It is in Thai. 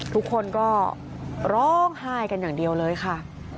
ทุกคนก็ร้องไห้กันอย่างเดียวเลยค่ะ